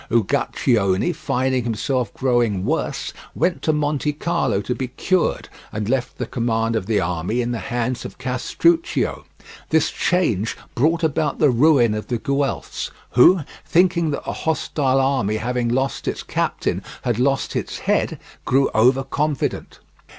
Uguccione, finding himself growing worse, went to Montecarlo to be cured, and left the command of the army in the hands of Castruccio. This change brought about the ruin of the Guelphs, who, thinking that the hostile army having lost its captain had lost its head, grew over confident.